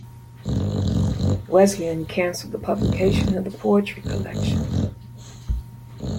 Wesleyan cancelled the publication of the poetry collection.